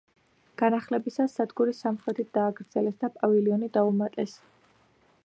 განახლებისას სადგური სამხრეთით დააგრძელეს და პავილიონი დაუმატეს.